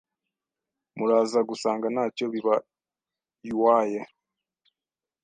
Muraza gusanga ntacyo bibaywaye